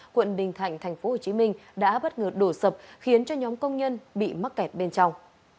quận bình thạnh tp hcm đã bất ngờ đổ sập khiến cho nhóm công nhân bị mắc kẹt bên trong